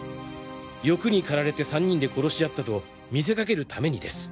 欲に駆られて３人で殺し合ったと見せかけるためにです。